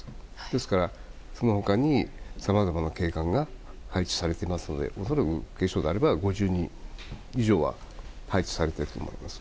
ですから、その他にさまざまな警官が配置されていますので恐らく、警視庁であれば５０人以上は配置されていると思います。